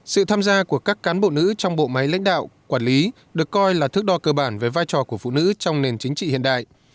sự tham gia của các cán bộ nữ trong bộ máy lãnh đạo quản lý được coi là thước đo cơ bản về vai trò của phụ nữ trong nền chính trị hiện đại